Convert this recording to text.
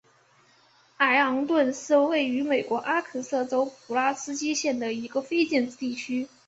艾昂顿是位于美国阿肯色州普拉斯基县的一个非建制地区。